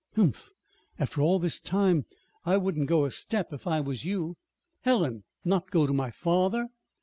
"Humph! After all this time! I wouldn't go a step if I was you." "Helen! Not go to my father?"